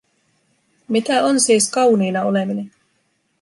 Mitä on siis kauniina oleminen?